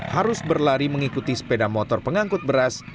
harus berlari mengikuti sepeda motor pengangkut beras